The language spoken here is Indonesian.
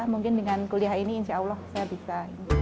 mungkin dengan kuliah ini insya allah saya bisa